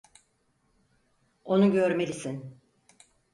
Onu görmelisin.